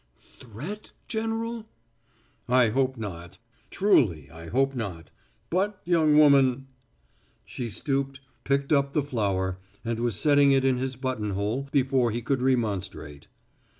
"Threat, General?" "I hope not. Truly I hope not. But, young woman " She stooped, picked up the flower, and was setting it in his buttonhole before he could remonstrate.